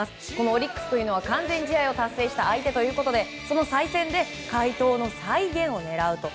オリックスは完全試合を達成した相手ということでその再戦で快投の再現を狙うと。